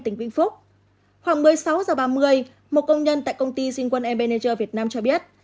tỉnh vĩnh phúc khoảng một mươi sáu h ba mươi một công nhân tại công ty sinh quân emater việt nam cho biết